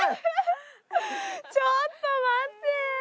ちょっと待って。